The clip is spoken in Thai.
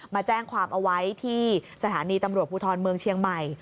มาแจ้งความเอาไว้ที่สถานีตำรวจภูทรเมืองเชียงใหม่